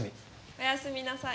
おやすみなさい。